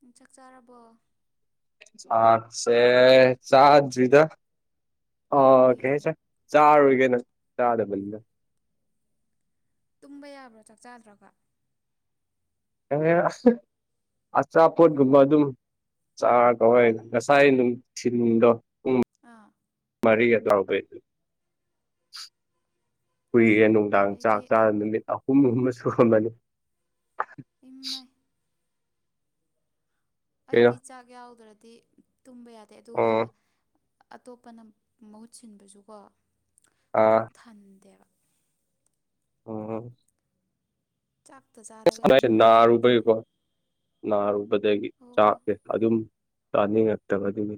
ꯅꯪ ꯆꯥꯛ ꯆꯥꯔꯕꯣ꯫ ꯆꯥꯛꯁꯦ ꯆꯥꯗꯔꯤꯗ꯫ ꯑꯥ ꯀꯩꯒꯤ [unintelligible] ꯆꯥꯔꯣꯏꯒꯦꯅ ꯆꯥꯗꯕꯅꯤꯗ꯫ ꯇꯨꯝꯕ ꯌꯥꯕ꯭ꯔꯥ ꯆꯥꯛ ꯆꯥꯗ꯭ꯔꯒ꯫ [unintelligible] ꯑꯆꯥꯄꯣꯠꯒꯨꯝꯕ ꯑꯗꯨꯝ ꯆꯥ ꯀꯧꯋꯦ ꯑꯩꯅ ꯉꯁꯥꯏ ꯅꯨꯡꯊꯤꯟꯗꯣ ꯄꯨꯡ ꯑꯥ꯫ ꯃꯔꯤꯒ [unintelligible] ꯍꯨꯏ꯫ ꯅꯨꯡꯗꯥꯡ ꯆꯥꯛ ꯑꯩꯗꯤ ꯆꯥ ꯅꯨꯃꯤꯠ ꯑꯍꯨꯝꯒꯨꯝꯕ ꯁꯨꯔꯝꯃꯅꯤ꯫ ꯏꯃꯥꯏ ꯀꯩꯅꯣ ꯑꯩꯗꯤ ꯆꯥꯛ ꯌꯥꯎꯗ꯭ꯔꯗꯤ ꯇꯨꯝꯕ ꯌꯥꯗꯦ ꯑꯗꯨꯒ꯫ ꯑꯣ ꯑꯇꯣꯞꯄꯅ ꯃꯍꯨꯠ ꯁꯤꯟꯕꯁꯨꯀꯣ ꯑꯥ ꯄꯨꯛ ꯊꯟꯗꯦꯕ꯫ ꯑꯣ꯫ ꯆꯥꯛꯇ ꯆꯥꯔꯒ ꯌꯥꯝ ꯅꯨꯡꯉꯥꯏꯖꯕꯗꯨꯅꯦ꯫ ꯅꯥꯔꯨꯕꯒꯤꯀꯣ ꯅꯥꯔꯨꯕꯗꯒꯤ ꯑꯣ ꯍꯣ ꯆꯥꯛꯁꯦ ꯑꯗꯨꯝ꯫ ꯆꯥꯅꯤꯡꯉꯛꯇꯕ ꯑꯗꯨꯒꯤ꯫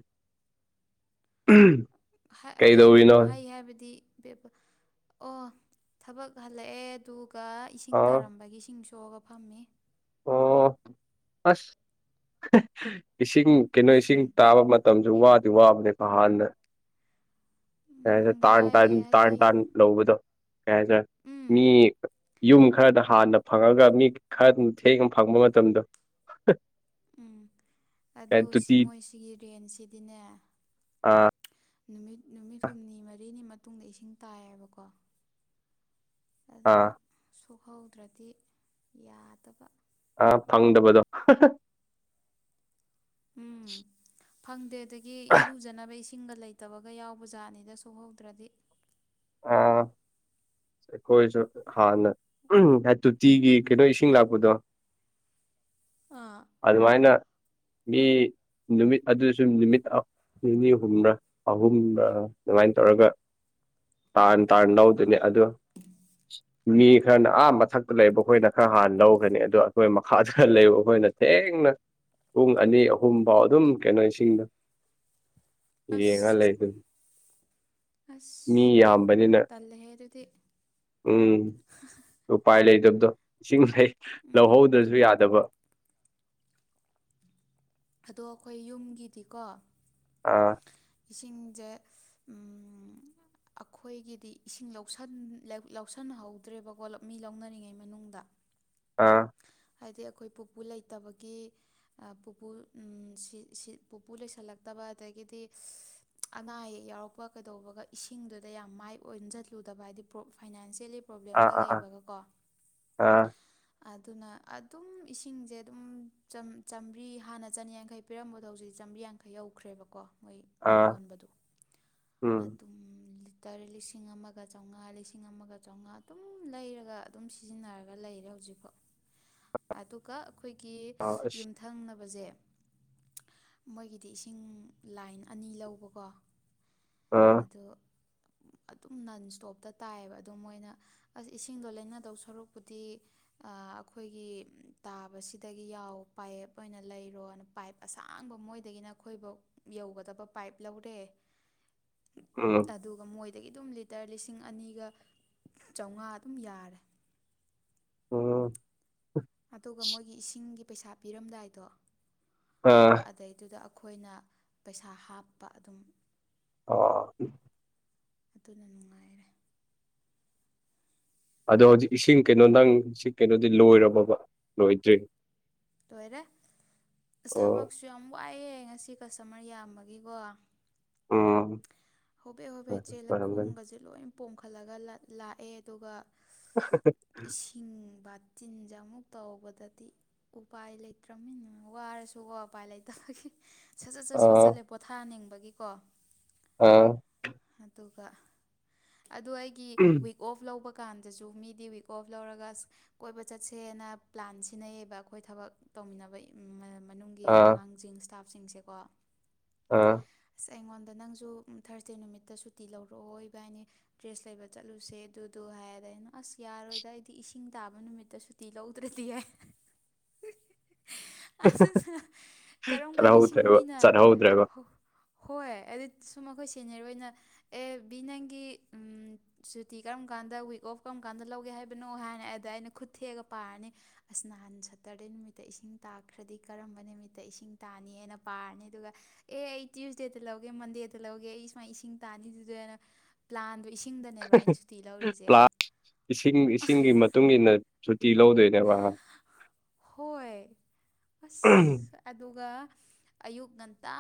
ꯍꯩꯒꯨꯝ ꯀꯩꯗꯧꯔꯤꯅꯣ ꯍꯩ ꯍꯥꯏꯕꯗꯤ꯫ ꯑꯣ ꯊꯕꯛ ꯍꯜꯂꯛꯑꯦ ꯑꯗꯨꯒ ꯏꯁꯤꯡ ꯑꯥ ꯇꯥꯔꯝꯕꯒꯤ ꯏꯁꯤꯡꯁꯨ ꯆꯣꯒ ꯐꯥꯝꯃꯤ꯫ ꯑꯣ ꯑꯁ ꯏꯁꯤꯡ ꯀꯩꯅꯣ ꯏꯁꯤꯡ ꯇꯥꯕ ꯃꯠ ꯃꯇꯝꯁꯨ ꯋꯥꯗꯤ ꯋꯥꯕꯅꯦꯀꯣ ꯍꯥꯟꯅ꫰꫰ ꯀꯩꯁꯦ ꯎꯝ ꯍꯥꯏꯗꯣꯏꯅꯣ ꯇꯥꯟ ꯇ ꯋꯥꯏꯑꯦ ꯇꯥꯟ ꯍꯥꯏꯗꯤ ꯇꯥꯟ ꯂꯧꯕꯗꯣ ꯀꯩ ꯍꯥꯏꯗꯣꯏꯅꯣ ꯎꯝ ꯃꯤ꯫ ꯌꯨꯝ ꯈꯔꯗ ꯍꯥꯟꯅ ꯐꯪꯉꯒ ꯃꯤ ꯈꯔꯝ ꯊꯦꯡꯅ ꯐꯪꯕ ꯃꯇꯝꯗꯣ꯫ ꯎꯝ ꯑꯗꯨ ꯁꯤ ꯇꯨꯇꯤ ꯃꯣꯏꯁꯤꯒꯤ ꯔꯦꯟ ꯁꯤꯗꯤꯅꯦ꯫ ꯑꯥ꯫ ꯅꯨꯃꯤꯠ ꯅꯨꯃꯤꯠ ꯍꯨꯝꯅꯤ ꯃꯔꯤꯅꯤ ꯃꯇꯨꯡꯗ ꯏꯁꯤꯡ ꯇꯥꯏꯌꯦꯕꯀꯣ ꯑꯥ ꯑꯗꯨꯅ ꯁꯣꯛꯍꯧꯗ꯭ꯔꯗꯤ ꯌꯥꯗꯕ ꯑꯥ ꯐꯪꯗꯕꯗꯣ ꯎꯝ ꯐꯪꯗꯦ ꯑꯗꯒꯤ ꯏꯔꯨꯖꯅꯕ ꯏꯁꯤꯡꯒ ꯂꯩꯇꯕꯒ ꯌꯥꯎꯕ ꯖꯥꯠꯅꯤꯗ ꯁꯨꯍꯧꯗ꯭ꯔꯗꯤ ꯑꯥ ꯑꯩꯈꯣꯏꯁꯨ ꯍꯥꯟꯅ [unintelligible] ꯇꯣꯇꯤꯒꯤ ꯀꯩꯅꯣ ꯏꯁꯤꯡ ꯂꯥꯛꯄꯗꯣ ꯑꯥ ꯑꯗꯨꯃꯥꯏꯅ ꯃꯤ ꯅꯨꯃꯤꯠ ꯑꯗꯨꯁꯨ ꯅꯨꯃꯤꯠ ꯅꯤꯅꯤ ꯍꯨꯝꯔ ꯑꯍꯨꯔꯥꯠꯑꯗꯨꯃꯥꯏꯅ ꯇꯧꯔꯒ ꯇꯥꯟ ꯇꯥꯟ ꯂꯧꯗꯅꯦ ꯑꯗꯣ ꯃꯤ ꯈꯔꯅ ꯑꯥ ꯃꯊꯛꯇ ꯂꯩꯕ ꯑꯩꯈꯣꯏꯅ ꯈꯔ ꯍꯥꯟꯅ ꯂꯧꯈ꯭ꯔꯅꯤ ꯑꯗꯣ ꯑꯩꯈꯣꯏ ꯃꯈꯥꯗ ꯂꯩꯕ ꯑꯩꯈꯣꯏ ꯑꯩꯅ ꯊꯦꯡꯅ ꯄꯨꯡ ꯑꯅꯤ ꯑꯍꯨꯝꯐꯥꯎ ꯑꯗꯨꯝ ꯀꯩꯅꯣ ꯏꯁꯤꯡꯗ ꯌꯦꯡꯉ ꯑꯁ ꯂꯩ ꯑꯗꯨꯝ ꯑꯁ ꯝꯕꯅꯤꯅ ꯇꯜꯂꯦꯍꯦ ꯑꯗꯨꯗꯤ ꯎꯝ ꯎꯄꯥꯏ ꯂꯩꯇꯕꯗꯣ ꯏꯁꯤꯡ ꯂꯩ ꯎꯝ ꯂꯧꯍꯧꯗ꯭ꯔꯁꯨ ꯌꯥꯗꯕ ꯑꯗꯣ ꯑꯩꯈꯣꯏ ꯌꯨꯝꯒꯤꯗꯤꯀꯣ ꯑꯥ ꯏꯁꯤꯡꯁꯦ ꯎꯝ ꯑꯩꯈꯣꯏꯒꯤꯗꯤ ꯏꯁꯤꯡ ꯂꯧꯁꯟꯅꯍꯧꯗ꯭ꯔꯦꯕꯀꯣ ꯃꯤ ꯂꯧꯅꯔꯤꯉꯩ ꯃꯅꯨꯡꯗ ꯑꯥ ꯍꯥꯏꯗꯤ ꯑꯩꯈꯣꯏ ꯄꯨꯄꯨ ꯂꯩꯇꯕꯒꯤ ꯄꯨꯄꯨ ꯄꯨꯄꯨ ꯂꯩꯁꯜꯂꯛꯇ ꯋꯥꯗꯒꯤꯗꯤ [inaudible] ꯑꯅꯥ ꯑꯌꯦꯛ ꯌꯥꯎꯔꯛꯄ ꯀꯩꯗꯧꯕꯒ ꯏꯁꯤꯡꯗꯨꯗ ꯌꯥꯝ ꯃꯥꯏ ꯑꯣꯟꯁꯤꯜꯂꯨꯗꯕ ꯍꯥꯏꯗꯤ ꯄꯔꯣ ꯐꯥꯏꯅꯥꯟꯁꯦꯜꯂꯤ ꯑꯥ ꯭ꯄꯔꯣꯕ꯭ꯂꯦꯝꯒ ꯑꯥ ꯂꯩꯕꯒꯀꯣ ꯑꯥ ꯑꯥ ꯑꯗꯨꯅ ꯑꯗꯨꯝ ꯏꯁꯤꯡꯁꯦ ꯑꯗꯨꯝ ꯆꯝꯃꯔꯤ ꯍꯥꯟꯅ ꯆꯅꯤꯌꯥꯡꯈꯩ ꯄꯤꯔꯝꯕꯗꯣ ꯍꯧꯖꯤꯛꯁꯦ ꯆꯥꯝꯃꯔꯤ ꯌꯥꯡꯈꯩ ꯌꯧꯈ꯭ꯔꯦꯕꯀꯣ ꯃꯣꯏ ꯑꯥ ꯌꯣꯟꯕꯗꯣ ꯎꯝ ꯑꯗꯨꯝ ꯇꯔꯦꯠ ꯂꯤꯁꯤꯡ ꯑꯃꯒ ꯆꯥꯝꯃꯉꯥ ꯂꯤꯁꯤꯡ ꯑꯃꯒ ꯆꯥꯝꯃꯉꯥ ꯑꯗꯨꯝ ꯂꯩꯔꯒ ꯑꯗꯨꯝ ꯁꯤꯖꯤꯟꯅꯔꯒ ꯂꯩꯔꯦ ꯍꯧꯖꯤꯛ ꯍꯧꯖꯤꯛꯐꯣ ꯑꯗꯨꯒ ꯑꯩꯈꯣꯏꯒꯤ ꯑꯥ ꯑꯁ ꯌꯨꯝꯊꯪꯅꯕ ꯐꯕꯁꯦ ꯃꯣꯏꯒꯤꯗꯤ ꯏꯁꯤꯡ ꯂꯥꯏꯟ ꯑꯅꯤ ꯂꯧꯕꯀꯣ ꯑꯥ ꯑꯗꯣ [unintelligible] ꯑꯗꯨꯝ ꯅꯟ ꯁ꯭ꯇꯣꯞꯇ ꯇꯥꯏꯌꯦꯕ ꯑꯗꯣ ꯃꯣꯏꯅ ꯑꯁ ꯏꯁꯤꯡꯗꯣ ꯂꯩꯅꯗꯧ ꯁꯔꯨꯛꯄꯨꯗꯤ ꯑꯩꯈꯣꯏꯒꯤ ꯇꯥꯕꯁꯤꯗꯒꯤ ꯌꯥꯎ ꯄꯥꯏꯞ ꯑꯣꯏꯅ ꯂꯩꯔꯣꯅ ꯄꯥꯏꯞ ꯑꯁꯥꯡꯕ ꯃꯣꯏꯗꯒꯤ ꯎꯝ ꯑ ꯑꯗꯒꯤ ꯑꯗꯨꯝ ꯂꯤꯇꯔ ꯂꯤꯁꯤꯡ ꯑꯅꯤꯒ ꯆꯥꯝꯃꯉꯥ ꯑꯗꯨꯝ ꯌꯥꯔꯦ ꯎꯝ ꯑꯗꯨꯒ ꯃꯣꯏꯒꯤ ꯏꯁꯤꯡꯒꯤ ꯄꯩꯁꯥ ꯄꯤꯔꯝꯗꯥꯏꯗꯣ ꯑꯥ ꯑꯗꯩꯗꯨꯗ ꯑꯩꯈꯣꯏꯅ ꯄꯩꯁꯥ ꯍꯥꯞꯄ ꯑꯗꯨꯝ ꯑ ꯑꯗꯨꯅ ꯅꯨꯡꯉꯥꯏꯔꯦ ꯑꯗꯣ ꯍꯧꯖꯤꯛ ꯏꯁꯤꯡ ꯀꯩꯅꯣ ꯅꯪ ꯀꯩꯅꯣꯗꯤ ꯂꯣꯏꯔꯕꯕ ꯂꯣꯏꯗ꯭ꯔꯤ ꯂꯣꯏꯔꯦ ꯑꯁ ꯑꯣ ꯊꯕꯛꯁꯨ ꯌꯥꯝ ꯋꯥꯏꯑꯦ ꯑꯩ ꯉꯁꯤ ꯀꯁꯇꯃꯔ ꯌꯥꯝꯕꯒꯤꯀꯣ ꯑ ꯍꯣꯕꯦ ꯍꯣꯕꯦꯆꯦꯜ ꯂ ꯈꯣꯡꯕꯁꯦ ꯂꯣꯏ ꯄꯣꯝꯈꯠꯂꯒ ꯂꯥꯛꯑꯦ ꯑꯗꯨꯒ ꯏꯁꯤꯡ ꯕꯥ ꯇꯤꯟꯖ ꯑꯃꯨꯛ ꯇꯧꯕꯗꯗꯤ ꯎꯄꯥꯏ ꯂꯩꯇ꯭ꯔꯕꯅꯤꯅ ꯋꯥꯔꯁꯨ ꯎꯄꯥꯏ ꯂꯩꯇꯕꯒꯤ ꯁꯠ ꯁꯠ ꯁꯠ ꯑꯥ ꯁꯣꯠꯆꯠꯂꯦ ꯄꯣꯊꯥꯍꯅꯤꯡꯕꯒꯤꯀꯣ ꯑꯥ ꯑꯗꯨꯣ ꯑꯩꯒꯤ ꯋꯤꯛ ꯑꯣꯐ ꯂꯧꯕ ꯀꯥꯟꯗꯁꯨ ꯃꯤꯗꯤ ꯋꯤꯛ ꯑꯣꯐ ꯂꯧꯔꯒ ꯀꯣꯏꯕ ꯆꯠꯁꯦꯅ ꯄ꯭ꯂꯥꯟ ꯁꯤꯖꯤꯟꯅꯩꯌꯦꯕ ꯑꯩꯈꯣꯏ ꯊꯕꯛ ꯇꯧꯃꯤꯟꯅꯕ ꯃꯅꯨꯡꯒꯤ ꯑꯥ ꯑꯉꯥꯡꯁꯤꯡ ꯏꯁꯇꯥꯐꯁꯤꯡꯁꯦꯀꯣ ꯑꯥ ꯑ ꯑꯩꯉꯣꯟꯗ ꯅꯪꯁꯨ ꯊꯥꯔꯁꯗꯦ ꯅꯨꯃꯤꯠꯇ ꯁꯨꯇꯤ ꯂꯧꯔꯛꯑꯣꯏꯕ ꯍꯥꯏꯅꯤ ꯗ꯭ꯔꯦꯁ ꯂꯩꯕ ꯆꯠꯂꯨꯁꯦ ꯑꯗꯨꯗꯣ ꯍꯥꯏꯔ ꯑꯩꯅ ꯑꯁ ꯌꯥꯔ ꯌꯥꯔꯣꯏꯗ ꯑꯩꯗꯤ ꯏꯁꯤꯡ ꯇꯥꯕ ꯅꯨꯃꯤꯠꯇ ꯁꯨꯇꯤ ꯂꯧꯗ꯭ꯔꯗꯤ ꯌꯥꯏ [unintelligible] ꯀꯔꯝ ꯀꯥꯟꯁꯤꯡ ꯆꯠꯍꯧꯗ꯭ꯔꯦꯕ ꯃꯤꯅ ꯆꯠꯍꯧꯗ꯭ꯔꯦꯕ ꯍꯣꯏ ꯑꯃ ꯁꯦꯅꯦꯔ ꯑꯣꯏꯅ ꯑꯦ ꯕꯤ ꯅꯪꯒꯤ ꯁꯨꯇꯤ ꯀꯔꯝ ꯀꯥꯟꯗ ꯋꯤꯛ ꯑꯣꯐ ꯀꯔꯝ ꯀꯥꯟꯗ ꯂꯧꯒꯦ ꯍꯥꯏ ꯍꯥꯏꯕꯅꯣ ꯍꯥꯏꯅ ꯑꯗ ꯑꯩꯅ ꯈꯨꯠ ꯊꯦꯛꯑꯒ ꯄꯥꯔꯅꯤ ꯑꯁ ꯅꯍꯥꯟ ꯁꯇꯔꯗꯦ ꯅꯨꯃꯤꯠꯇ ꯏꯁꯤꯡ ꯇꯥꯛꯈ꯭ꯔꯗꯤ ꯀ ꯀꯔꯝꯕ ꯅꯨꯃꯤꯠꯇ ꯏꯁꯤꯡ ꯇꯥꯅꯤ ꯍꯥꯏꯅ ꯄꯥꯔꯅꯤ ꯑꯗꯨꯒ ꯑꯦ ꯑꯩ ꯇ꯭ꯌꯨꯁꯗꯦꯗ ꯂꯧꯒꯦ ꯃꯟꯗꯦꯗ ꯂꯧꯒꯦ ꯑꯩ ꯁꯨꯃꯥꯏ ꯏꯁꯤꯡ ꯇꯥꯅꯤꯗꯨꯗꯅ ꯄ꯭ꯂꯥꯟꯗꯣꯁꯤꯡ ꯄꯥꯁ ꯏꯁꯤꯡ ꯏꯁꯤꯡꯒꯤ ꯃꯇꯨꯡ ꯏ ꯃꯇꯨꯡꯏꯟꯅ ꯍꯣꯏ ꯑꯁ ꯑꯗꯨꯒ ꯑꯌꯨꯛ ꯉꯟꯇꯥ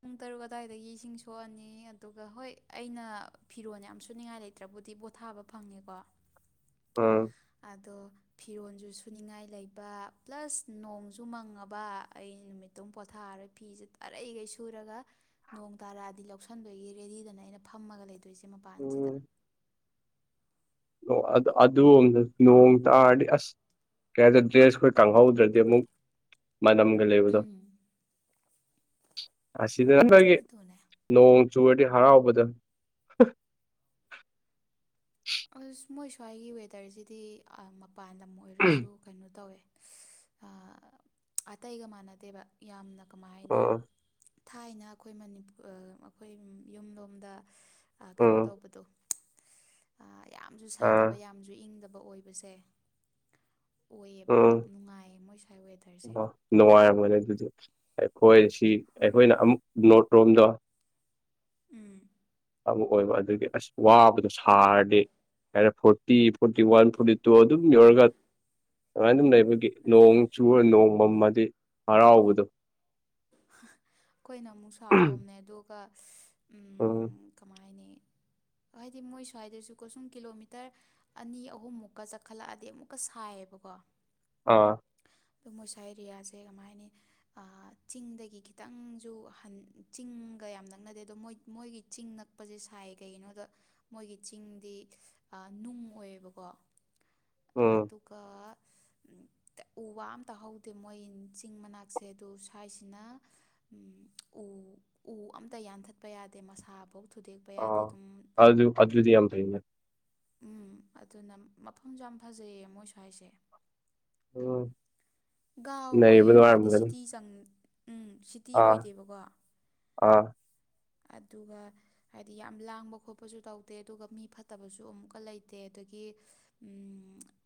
ꯄꯨꯡ ꯇꯔꯨꯛ ꯑꯗꯨꯋꯥꯏꯗꯒꯤ ꯏꯁꯤꯡ ꯁꯣꯛꯑꯅꯤ ꯑꯗꯨꯒ ꯍꯣꯏ ꯑꯩꯅ ꯐꯤꯔꯣꯟ ꯌꯥꯝ ꯁꯨ ꯉꯥꯏ ꯂꯩꯇ꯭ꯔꯕꯨꯗꯤ ꯄꯣꯊꯥꯕ ꯐꯪꯉꯦꯀꯣ ꯑꯝ ꯑꯗꯣ ꯐꯤꯔꯣꯁꯨ ꯁꯨꯅꯤꯡꯉꯥꯏ ꯂꯩꯕ ꯄ꯭ꯂꯁ ꯅꯣꯡꯁꯨ ꯃꯪꯉꯕ ꯑꯩ ꯅꯨꯃꯤꯠꯇꯨ ꯄꯣꯊꯥꯔ ꯇꯦ ꯑꯗꯨꯏꯁꯦ ꯃꯄꯥꯟꯁꯤꯗ ꯎꯝ ꯑꯗꯨ ꯅꯣꯡ ꯇꯥꯔꯗꯤ ꯑꯁ ꯀꯩ ꯍꯥꯏꯗ ꯗ꯭ꯔꯦꯁ ꯑꯩꯈꯣꯏ ꯀꯥꯡꯍꯧꯗ꯭ꯔꯗꯤ ꯑꯃꯨꯛ ꯃꯅꯝꯒ ꯂꯩꯕꯗꯣ ꯎꯝ ꯑꯁꯤꯗ ꯑꯗꯨꯅꯦ ꯑꯩꯈꯣꯏꯒꯤꯣꯡ ꯨꯋꯥꯗꯤ ꯍꯔꯑꯣ ꯗꯜ ꯑ ꯃꯣꯏ ꯁ꯭ꯋꯥꯏꯒꯤ ꯋꯦꯗꯔꯁꯤꯗꯤ ꯃꯄꯥꯟ ꯂꯝ ꯑꯣꯏꯔꯁꯨ ꯀꯩꯅꯣ ꯇꯧꯋꯦ ꯑꯇꯩꯒ ꯃꯥꯟꯅꯗꯦꯕ ꯌꯥꯝꯅ ꯀ ꯑꯥ ꯊꯥꯏꯅ ꯑꯩꯈꯣꯏ ꯃꯅꯤ ꯑꯩꯈꯣꯏ ꯌꯨꯝꯂꯣꯝꯗ ꯀꯩꯅꯣ ꯎꯝ ꯇꯧꯕꯗꯣ ꯌꯥꯝꯁꯨ ꯑꯥ ꯁꯥꯗꯕ ꯌꯥꯝꯁꯨ ꯏꯪꯗꯕ ꯑꯣꯏꯕꯁꯦ ꯑꯣꯏꯌꯦꯕ ꯅꯨꯡꯉꯥꯏꯌꯦ ꯃꯣꯏ ꯁ꯭ꯋꯥꯏ ꯋꯦꯗꯔꯁꯦ ꯎꯝ ꯑꯣ ꯅꯨꯡꯉꯥꯏꯔꯝꯃꯅꯦ ꯑꯗꯨꯗꯤ ꯑꯩꯈꯣꯏꯁꯤ ꯁꯤ ꯍꯣꯏ ꯑꯩꯈꯣꯏꯅ ꯑꯃꯨꯛ ꯅꯣꯠ ꯔꯣꯝꯗꯣ ꯎꯝ ꯑꯃ ꯑꯣꯏꯕ ꯑꯗꯨꯒꯤ ꯑꯁ ꯋꯥꯕꯗꯣ ꯁꯥꯔꯗꯤ ꯀꯔꯦ forty forty one forty two ꯑꯗꯨꯝ ꯌꯧꯔꯒ ꯑꯗꯨꯃꯥꯏꯅ ꯑꯗꯨꯝ ꯂꯩꯕꯒꯤ ꯑꯁ ꯅꯣꯡ ꯆꯨꯔ ꯅꯣꯡ ꯃꯝꯃꯗꯤ ꯍꯔꯥꯎꯕꯗꯣ ꯑꯩꯈꯣꯏꯅ ꯑꯃꯨꯛ ꯁꯥꯎꯂꯣꯝꯅꯦ ꯑꯗꯨꯒ ꯎꯝ ꯀꯃꯥꯏ ꯍꯥꯏꯅꯤ ꯍꯥꯏꯗꯤ ꯃꯣꯏ ꯁ꯭ꯋꯥꯏꯗꯁꯨꯀꯣ ꯁꯨꯝ ꯀꯤꯂꯣꯃꯤꯇꯔ ꯑꯅꯤ ꯑꯍꯨꯝꯃꯨꯛꯀ ꯆꯠꯈꯠꯂꯛꯑꯗꯤ ꯑꯃꯨꯛꯀ ꯁꯥꯏꯑꯕ ꯀꯣ ꯑꯥ ꯑꯗꯨ ꯃꯣꯏꯁꯥ ꯑꯦꯔꯤꯌꯥꯁꯦ ꯀꯃꯥꯏꯅꯤ ꯆꯤꯡꯗꯒꯤ ꯈꯤꯇꯪꯁꯨ ꯆꯤꯡꯒ ꯌꯥꯝ ꯅꯛꯅꯗꯦ ꯑꯗꯣ ꯃꯣꯏ ꯃꯣꯏꯒꯤ ꯆꯤꯡ ꯅꯛꯄꯁꯦ ꯁꯥꯏ ꯀꯩꯒꯤꯅꯣꯗ ꯃꯣꯏꯒꯤ ꯆꯤꯡꯗꯤ ꯅꯨꯡ ꯑꯣꯏꯌꯦꯕꯀꯣ ꯎꯝ ꯇꯀ ꯎ ꯋꯥ ꯑ ꯑꯃꯇꯍꯧꯗꯦ ꯃꯣꯏ ꯆꯤꯡ ꯃꯅꯥꯛꯁꯦ ꯁ꯭ꯋꯥꯏꯁꯤꯅ ꯎ ꯎ ꯑꯝꯇ ꯌꯥꯟꯊꯠꯄ ꯌꯥꯗꯦ ꯃꯁꯥꯐꯧ ꯊꯨꯗꯦꯛꯄ ꯑ ꯌꯥꯗꯦ ꯑꯗꯨꯝ ꯑ ꯑꯗꯗꯤ ꯄꯅꯤ ꯎꯝ ꯑꯗꯨꯅ ꯃꯐꯝꯁꯨ ꯌꯥꯝ ꯐꯖꯩꯌꯦ ꯃꯣꯏꯁꯨ ꯍꯥꯏꯁꯦ ꯑ ꯒꯥꯎ ꯑꯣꯏꯌꯦ ꯍꯥꯏꯗꯤ ꯁꯤꯇꯤ ꯆꯪ ꯎꯝ ꯁꯤꯇꯤ ꯑꯥ ꯑꯣꯏꯗꯦꯕꯀꯣ ꯑꯥ ꯑꯗꯨꯒ ꯍꯥꯏꯗꯤ ꯌꯥꯝ ꯂꯥꯡꯕ ꯈꯣꯠꯄꯁꯨ ꯇꯧꯗꯦ ꯑꯗꯨꯒ ꯃꯤ ꯐꯠꯇꯕꯁꯨ ꯑꯃꯨꯛꯀ ꯂꯩꯇꯦ ꯑꯗꯒꯤ ꯀ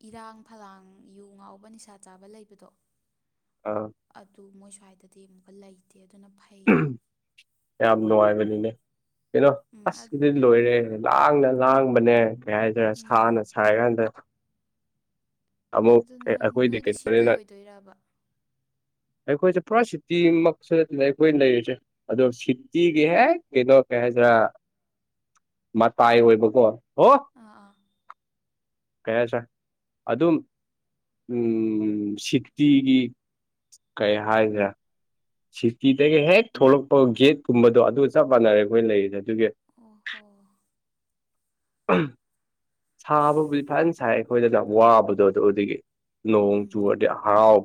ꯏꯔꯥꯡ ꯐꯂꯥꯡ ꯌꯨ ꯉꯥꯎꯕ ꯅꯤꯁꯥ ꯆꯥꯕ ꯂꯩꯕꯗꯣ ꯑꯥ ꯑꯗꯨ ꯃꯣꯏ ꯁ꯭ꯋꯥꯏꯗꯗꯤ ꯑꯃꯨꯛꯀ ꯂꯩꯇꯦ ꯑꯗꯨꯅ ꯐꯩꯌꯦꯕ ꯌꯥꯝ ꯅꯣꯑꯕꯦꯂꯤꯅꯦ ꯀꯩꯅꯣ ꯎꯝ ꯑꯁꯀꯤꯗꯤꯗꯤ ꯂꯣꯏꯔꯦ ꯂꯥꯡꯅ ꯂꯥꯡꯕꯅꯦ ꯌꯥ ꯍꯥꯏꯗꯔ ꯎꯝ ꯁꯥꯅ ꯁꯥꯏ ꯀꯥꯟꯗ ꯑꯗꯨ ꯅ ꯑꯩꯈꯣꯏꯗꯤ ꯅꯣꯏꯗꯤ ꯁꯤꯇꯤ ꯀꯩꯅꯣꯅꯤꯅ ꯑꯣꯏꯗꯣꯏꯕ ꯑꯩꯈꯣꯏꯁꯦ ꯄꯨꯔꯥ ꯁꯤꯇꯤꯃꯛꯁꯨ ꯅꯠꯇꯅ ꯑꯩꯈꯣꯏ ꯂꯩꯔꯤꯁꯦ ꯑꯗꯣ ꯁꯤꯇꯤꯒꯤ ꯍꯦꯛ ꯀꯩꯅꯣ ꯀꯩ ꯍꯥꯏꯗ꯭ꯔꯥ ꯃꯇꯥꯏ ꯑꯣꯏꯕꯀꯣ ꯑꯣꯣ ꯑꯥ ꯑꯥ ꯀꯩ ꯁꯥꯔ ꯑꯗꯨꯝ ꯎꯝ ꯁꯤꯇꯤꯒꯤ ꯀꯩ ꯍꯥꯏꯁꯦ ꯁꯤꯇꯤꯗꯒꯤ ꯍꯦꯛ ꯊꯣꯛꯂꯛꯄ ꯒꯦꯠꯀꯨꯝꯕꯗꯣ ꯑꯗꯨ ꯆꯞ ꯃꯥꯟꯅꯔꯦ ꯑꯩꯈꯣꯏ ꯂꯩꯔꯤꯗꯅ ꯑꯣ ꯍꯣ ꯁꯥꯕꯕꯨꯗꯤ ꯐꯖꯅ ꯁꯥꯏ ꯑꯩꯈꯣꯏꯗ ꯌꯥꯝ ꯋꯥꯕꯗꯣ ꯑꯗꯨ ꯑꯗꯨꯒꯤ ꯅꯣꯡ ꯎꯝ ꯆꯨ ꯍꯔꯥꯎ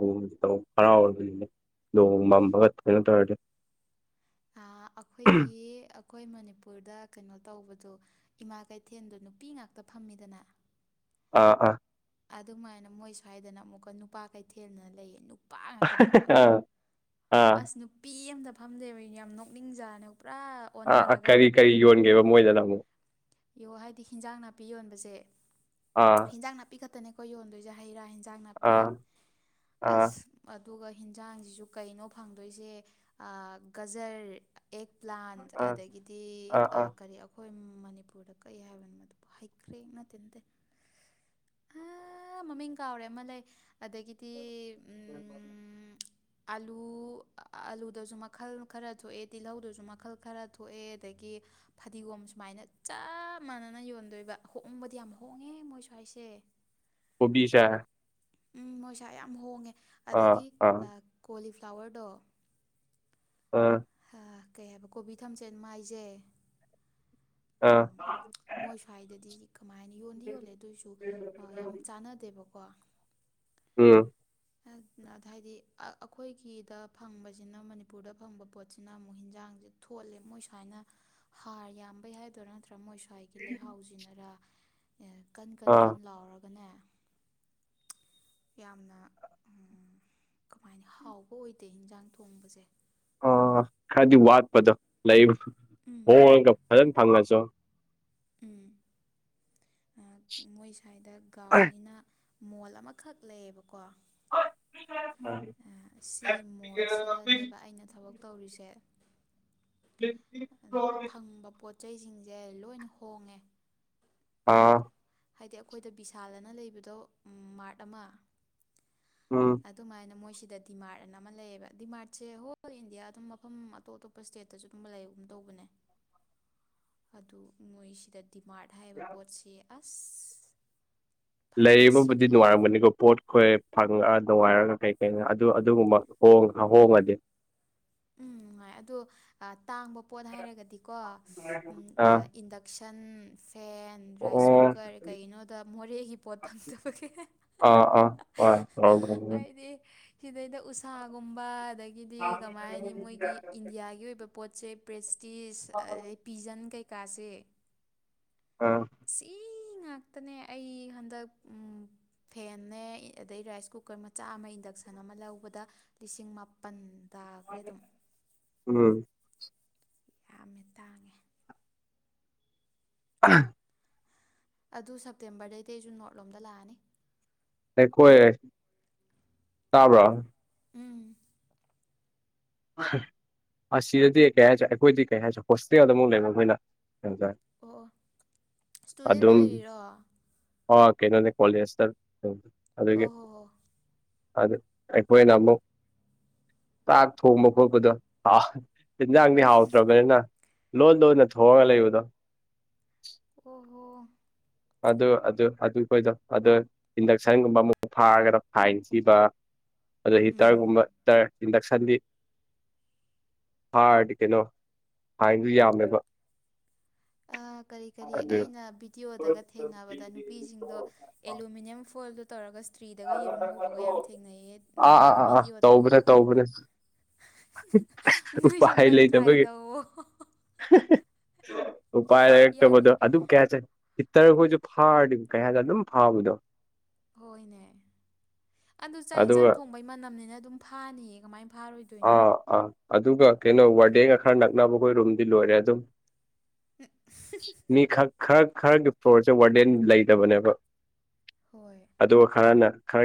ꯇ ꯍꯔꯥꯎꯔꯒꯅꯦ ꯅꯣꯡ ꯃꯝꯕꯒ ꯊꯅ ꯇꯧꯔꯗꯤ ꯑꯩꯈꯣꯏꯒꯤ ꯑꯩꯈꯣꯏ ꯃꯅꯤꯄꯨꯔꯗ ꯀꯩꯅꯣ ꯇꯧꯕꯗꯣ ꯏꯃꯥ ꯀꯩꯊꯦꯜꯗꯣ ꯅꯨꯄꯤ ꯉꯥꯛꯇ ꯐꯝꯃꯤꯗꯅ ꯑꯥ ꯑꯥ ꯑꯗꯨꯃꯥꯏꯅ ꯃꯣꯏ ꯁ꯭ꯋꯥꯏꯗꯅ ꯑꯃꯨꯛꯀ ꯅꯨꯄꯥ ꯀꯩꯊꯦꯜꯗꯅ ꯂꯩꯌꯦ ꯅꯨꯄꯥ ꯉꯥꯛꯇ ꯐꯝꯕ ꯑꯥ ꯑꯥ ꯑꯥ ꯑꯁ ꯅꯨꯄꯤ ꯑꯃꯝꯇ ꯐꯝꯗꯦꯕ ꯌꯥꯝ ꯅꯣꯛꯅꯤꯡꯖꯥꯅꯦ ꯄꯨꯔꯥ ꯑꯥ ꯑ ꯑꯣꯟꯅꯔꯒ ꯀꯔꯤ ꯀꯔꯤ ꯌꯣꯟꯒꯦꯕ ꯃꯣꯏꯗꯅ ꯑꯃꯨꯛ ꯌꯣ ꯍꯥꯏꯗꯤ ꯍꯤꯟꯖꯥꯡ ꯅꯥꯄꯤ ꯌꯣꯟꯕꯁꯦ ꯑꯥ ꯍꯤꯟꯖꯥꯡ ꯅꯥꯄꯤ ꯈꯛꯇꯅꯦꯀꯣ ꯌꯣꯟꯗꯣꯏꯁꯦ ꯍꯩ ꯔꯥ ꯏꯟꯖꯥꯡ ꯅꯥꯄꯤ ꯑꯥ ꯑꯥ ꯑꯁ ꯑꯗꯨꯒ ꯍꯟꯖꯥꯡꯁꯤꯁꯨ ꯀꯩꯅꯣ ꯐꯪꯗꯣꯏꯁꯦ ꯒꯖꯔ ꯑꯦꯛ ꯄ꯭ꯂꯥꯟ ꯑꯥ ꯑꯗꯒꯤꯗꯤ ꯑꯥ ꯑꯥ ꯀꯔꯤ ꯑꯩꯈꯣꯏ ꯃꯅꯤꯄꯨꯔꯗ ꯀꯩ ꯍꯥꯏꯕꯅꯣ ꯃꯗꯨꯕꯨ ꯍꯩꯈ꯭ꯔꯦ ꯅꯠꯇꯦ ꯅꯠꯇꯦ ꯃꯃꯤꯡ ꯀꯥꯎꯔꯦ ꯑꯃ ꯂꯩ ꯑꯗꯒꯤꯗꯤ ꯀ ꯎꯝ ꯑꯥꯂꯨ ꯑꯥꯂꯨꯗꯁꯨ ꯃꯈꯜ ꯈꯔ ꯊꯣꯛꯑꯦ ꯇꯤꯜꯧꯗꯁꯨ ꯃꯈꯜ ꯈꯔ ꯊꯣꯛꯑꯦ ꯑꯗꯒꯤ ꯐꯗꯤꯒꯣꯝ ꯁꯨꯃꯥꯏꯅ ꯆꯞ ꯃꯥꯟꯅꯅ ꯌꯣꯟꯗꯣꯏꯕ ꯍꯣꯡꯕꯗꯤ ꯌꯥꯝ ꯍꯣꯡꯉꯦ ꯃꯣꯏ ꯁꯋꯥꯏꯁꯦ ꯀꯣꯕꯤꯁꯦ ꯎꯝ ꯃꯣꯏꯁꯥ ꯌꯥꯝ ꯍꯣꯡꯉꯦ ꯑꯥ ꯑꯗꯒꯤ ꯑꯥ ꯀꯣꯂꯤꯐ꯭ꯂꯥꯋꯔꯗꯣ ꯀꯩ ꯍꯥꯏꯕ ꯀꯣꯕꯤ ꯊꯝꯆꯦꯠ ꯃꯥꯏꯁꯦ ꯑꯥ ꯎꯝ, ꯃꯣꯏ ꯁ꯭ꯋꯥꯏꯗꯗꯤ ꯀꯃꯥꯏꯅ ꯌꯣꯟꯗꯤ ꯌꯣꯜꯂꯦ ꯑꯗꯨꯑꯣꯏꯁꯨ ꯌꯥꯝ ꯆꯥꯟꯅꯗꯦꯕꯀꯣ ꯀꯣ ꯎꯝ [inaudible] ꯍꯥꯏꯗꯤ ꯑꯩꯈꯣꯏꯒꯤꯗ ꯐꯪꯕꯁꯤꯅ ꯃꯅꯤꯄꯨꯔꯗ ꯐꯪꯕ ꯄꯣꯠꯁꯤꯅ ꯑꯃꯨꯛ ꯍꯟꯖꯥꯡꯁꯦ ꯊꯣꯂ ꯃꯣꯏ ꯁꯨꯃꯥꯏꯅ ꯍꯥꯔ ꯌꯥꯝꯕꯩ ꯍꯥꯏꯗꯣꯏꯔꯥ ꯅꯠꯇꯥꯔ ꯃꯣꯏꯁ꯭ꯋꯥꯏꯒꯤ ꯂꯩꯍꯥꯎꯁꯤꯅꯔ ꯀꯟ ꯀꯟ ꯑꯥ ꯀꯟ ꯂꯥꯎꯔꯒꯅꯦ ꯌꯥꯝꯅ ꯀꯃꯥꯏꯅ ꯍꯥꯎꯕ ꯑꯣꯏꯗꯦ ꯏꯟꯖꯥꯡ ꯊꯣꯡꯕꯁꯦ ꯑ ꯈꯔꯗꯤ ꯋꯥꯠꯄꯗꯣ ꯂꯩꯕ ꯎꯝ ꯍꯣꯡꯂꯒ ꯐꯖꯅ ꯐꯪꯉꯁꯨ ꯎꯝ ꯃꯣꯏ ꯁ꯭ꯋꯥꯏꯗ ꯒꯥꯎꯅꯤꯅ ꯃꯣꯜ ꯑꯃꯈꯛ ꯂꯩꯌꯦꯕꯀꯣ ꯑꯣ ꯁꯤꯒꯤ ꯃꯣꯜꯁꯤꯗꯅꯦꯕ ꯑꯩꯅ ꯊꯕꯛ ꯇꯧꯔꯤꯁꯦ ꯐꯪꯕ [unintelligible] ꯄꯣꯠ ꯆꯩꯁꯤꯡꯁꯦ ꯂꯣꯏꯅ ꯍꯣꯡꯉꯦ ꯑꯥ ꯍꯥꯏꯗꯤ ꯑꯩꯈꯣꯏꯗ ꯕꯤꯁꯥꯜꯗꯅ ꯂꯩꯕꯗꯣ ꯃꯥꯔꯠ ꯑꯃ ꯎꯝ ꯑꯗꯨꯃꯥꯏꯅ ꯃꯣꯏꯁꯤꯗ ꯗꯤꯃꯥꯔꯠ ꯑꯅ ꯑꯃ ꯂꯩꯌꯦꯕ ꯗꯤꯃꯥꯔꯠꯁꯦ ꯍꯣꯜ ꯏꯟꯗꯤꯌꯥ ꯑꯗꯨꯝ ꯃꯐꯝ ꯑꯇꯣꯞ ꯑꯇꯣꯞꯄ ꯁ꯭ꯇꯦꯠꯇꯁꯨ ꯑꯗꯨꯝ ꯂꯩ ꯇꯧꯕꯅꯦ [inaudible] ꯑꯗꯨ ꯃꯣꯏꯁꯤꯗ ꯗꯤꯃꯥꯔꯠ ꯍꯥꯏꯕ ꯄꯣꯠꯁꯦ ꯑꯁ ꯐꯖꯅ ꯂꯩꯕꯕꯨꯗꯤ ꯁꯤꯠꯂꯦ ꯅꯨꯡꯉꯥꯏꯔꯝꯒꯅꯤꯀꯣ ꯄꯣꯠꯈꯣꯏ ꯐꯪꯉ ꯅꯨꯡꯉꯥꯏꯔꯒ ꯀꯩ ꯀꯩꯅꯣ ꯑꯗꯨ ꯑꯗꯨꯒꯨꯝꯕ ꯍꯣꯡꯉꯗꯤ ꯎꯝ ꯅꯨꯡꯉꯥꯏ ꯑꯗꯣ ꯇꯥꯡꯕ ꯄꯣꯠ ꯍꯥꯏꯔꯒꯗꯤꯀꯣ ꯑꯥ ꯏꯟꯗꯛꯁꯟ ꯁꯟ [inaudible] ꯔꯥꯏꯁ ꯀꯨꯀꯔ ꯀꯩꯒꯤꯅꯣꯗ ꯃꯣꯔꯦꯒꯤ ꯄꯣꯠ ꯐꯪꯗꯕꯒꯤ ꯑꯥ ꯑꯥ ꯍꯥꯏꯗꯤ ꯍꯣꯢ ꯁꯤꯗꯩꯗ ꯎꯁꯥꯒꯨꯝꯕ ꯑꯗꯒꯤꯗꯤ ꯀꯃꯥꯏꯅꯤ ꯃꯣꯏꯒꯤ ꯏꯟꯗꯤꯌꯥꯒꯤ ꯑꯣꯏꯕ ꯄꯣꯠꯁꯦ ꯄ꯭ꯔꯦꯁꯇꯤꯁ ꯑꯗꯩ ꯄꯤꯖꯟ ꯀꯩꯀꯥꯁꯦ ꯑꯥ ꯁꯤ ꯉꯥꯛꯇꯅꯦ ꯑꯩ ꯍꯟꯗꯛ ꯐꯦꯟꯅꯦ ꯑꯗꯩ ꯔꯥꯏꯁ ꯀꯨꯀꯔ ꯃꯆꯥ ꯑꯃ ꯏꯟꯗꯛꯁꯟ ꯑꯃ ꯂꯧꯕꯗ ꯂꯤꯁꯤꯡ ꯃꯥꯄꯜ ꯇꯥꯈ꯭ꯔꯦ ꯑꯗꯨꯝ ꯎꯝ ꯌꯥꯝꯅ ꯇꯥꯡꯉꯦ ꯎꯝ ꯑꯗꯨ ꯁꯦꯞꯇꯦꯝꯕꯔꯗꯩꯗꯤ ꯑꯩꯁꯨ ꯅꯣꯔꯠꯂꯣꯝꯗ ꯂꯥꯛꯑꯅꯤ ꯑꯩꯈꯣꯏ ꯇꯥꯕ꯭ꯔꯥ ꯎꯝ ꯑꯁꯤꯗꯗꯤ ꯀꯩ ꯍꯥꯏꯁꯦ ꯑꯩꯈꯣꯏꯗꯤ ꯀꯩ ꯍꯥꯏꯁꯦ ꯍꯣꯁꯇꯦꯜꯃꯨꯛ ꯂꯩꯕ ꯃꯈꯣꯏꯅ ꯑꯣ ꯏꯁꯇꯨꯗꯦꯟ ꯑꯣꯏꯔꯤꯔꯣ ꯑꯣ ꯀꯩꯅꯣꯅꯦ ꯀꯣꯂꯦꯖꯇ ꯑꯣ ꯑꯗꯨꯒꯤ ꯍꯣ ꯍꯣ ꯑꯗꯨ ꯑꯩꯈꯣꯏꯅ ꯑꯃꯨꯛ ꯆꯥꯛ ꯊꯣꯡꯕ ꯈꯣꯠꯄꯗꯣꯥꯎ ꯏꯤꯟꯖꯥꯡꯗꯤ ꯍꯥꯎꯇ꯭ꯔꯕꯅꯤꯅ ꯂꯣꯟ ꯂꯣꯟꯅ ꯊꯣꯡꯑꯒ ꯂꯩꯕꯗꯣ ꯑꯣ ꯍꯣ ꯑꯗꯨ ꯑꯗꯨ ꯑꯗꯨ ꯑꯩꯈꯣꯏꯗꯣ ꯑꯗꯨ ꯏꯟꯗꯛꯁꯟꯒꯨꯝꯕ ꯑꯃꯨꯛ ꯐꯥꯔꯒꯗ ꯐꯥꯏꯟ ꯊꯕ ꯑꯗꯣ ꯎꯝ ꯍꯤꯇꯔꯒꯨꯝꯕꯇꯥꯔꯦ ꯏꯟꯗꯛꯁꯟꯗꯤ ꯐꯔꯗꯤ ꯀꯩꯅꯣ ꯍꯥꯏꯅꯁꯨ ꯌꯥꯝꯃꯦꯕ ꯑ ꯀꯔꯤ ꯀꯔꯤ ꯑꯗꯨ ꯑꯩꯅ ꯚꯤꯗꯤꯑꯣꯗꯒ ꯊꯦꯡꯅꯕꯗ ꯅꯨꯄꯤꯁꯤꯡꯗꯣ ꯑꯦꯂꯨꯃꯤꯅꯤꯌꯝ ꯐꯣꯜꯗꯣ ꯇꯧꯔꯒ ꯊ꯭ꯔꯤꯗꯒ ꯌꯦꯔꯨꯝ ꯍꯧꯕꯒ ꯌꯥꯝ ꯊꯦꯡꯅꯩꯌꯦ ꯑꯥ ꯑꯥ ꯑꯥ ꯑꯥ ꯚꯕꯤꯗꯤꯌꯑꯣꯗ ꯇꯧꯕꯅꯦ ꯇꯧꯕꯅꯦ ꯎꯄꯥꯏ ꯂꯩꯇꯕꯒꯤ ꯇꯧꯋꯣ ꯎꯄꯥꯏ ꯌꯥꯅꯤ ꯂꯩꯔꯛꯇꯧꯕꯗ ꯑꯗꯨꯝ ꯀꯌꯥ ꯆꯠ ꯍꯤꯇꯔꯈꯣꯏꯁꯨ ꯐꯥꯔꯗꯤ ꯀꯩ ꯍꯥꯏꯗ ꯑꯗꯨꯝ ꯐꯥꯕꯗꯣ ꯍꯣꯏꯅꯦ ꯑꯗꯨ ꯆꯥꯛ ꯌꯦꯟꯁꯥꯡ ꯑꯗꯨꯒ ꯊꯣꯡꯕꯩ ꯃꯅꯝꯅꯤꯅ ꯑꯗꯨꯝ ꯐꯥꯅꯤꯌꯦ ꯀꯃꯥꯏ ꯐꯥꯔꯣꯏꯗꯣꯏꯅꯣ ꯑꯥ ꯑꯥ ꯑꯗꯨꯒ ꯀꯩꯅꯣ ꯋꯥꯔꯗꯦꯒ ꯈꯔ ꯅꯛꯅꯕꯈꯣꯏ ꯔꯨꯝꯗꯤ ꯂꯣꯏꯔꯦ ꯑꯗꯨꯝ ꯃꯤ ꯈꯛ ꯈꯔ ꯈꯔꯒꯤ ꯐ꯭ꯂꯣꯔꯁꯦ ꯋꯥꯔꯗꯦꯟ ꯂꯩꯇꯕꯅꯦꯕ ꯍꯣꯏ ꯑꯗꯨꯒ ꯈꯔꯅ ꯈꯔ